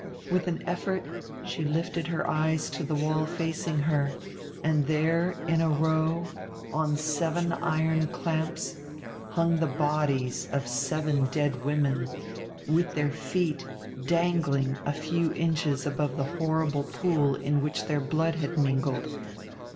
With an effort she lifted her eyes to the wall facing her, and there, in a row, on seven iron clamps, hung the bodies of seven dead women with their feet dangling a few inches above the horrible pool in which their blood had mingled....